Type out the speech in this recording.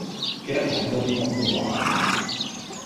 記得講多啲廣東話